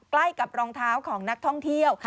ใกล้กับรองเท้าของนักท่องเที่ยว